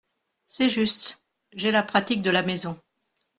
C’est juste, j’ai la pratique de la maison.